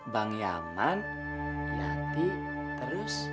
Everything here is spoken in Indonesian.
bang yaman yati terus